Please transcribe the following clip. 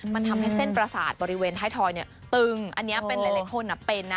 มันทำให้เส้นปราสาทบริเวณไทยทอยเนี่ยตึงอันเนี้ยเป็นเล็กคนอ่ะเป็นน่ะ